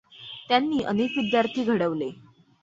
त्यांनी अनेक विद्यार्थी घडवले.